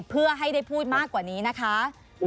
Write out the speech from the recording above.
เพื่อให้ได้พูดมากกว่านี้นะคะ